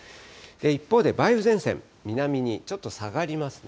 一方で梅雨前線、南にちょっと下がりますね。